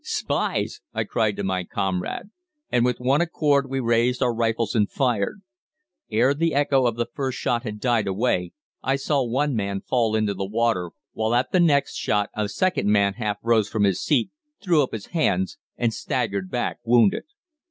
"'Spies!' I cried to my comrade, and with one accord we raised our rifles and fired. Ere the echo of the first shot had died away I saw one man fall into the water, while at the next shot a second man half rose from his seat, threw up his hands, and staggered back wounded.